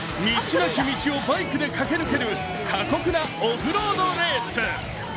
なき道をバイクで駆け抜ける過酷なオフロードレース。